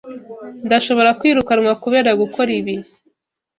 Ndashobora kwirukanwa kubera gukora ibi.